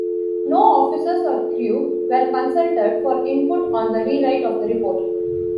No officers or crew were consulted for input on the rewrite of the report.